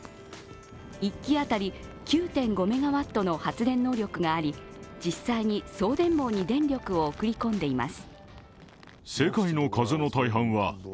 １基当たり９．５メガワットの発電能力があり実際に送電網に電力を送り込んでいます。